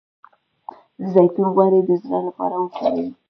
د زیتون غوړي د زړه لپاره وکاروئ